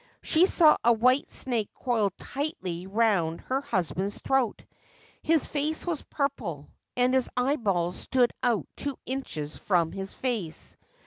She saw a white snake coiled tightly round her husband's throat ; his face was purple, and his eyeballs stood out two inches from his face.